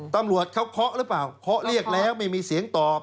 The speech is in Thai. ตำรวจเขาเคาะหรือเปล่าเคาะเรียกแล้วไม่มีเสียงตอบ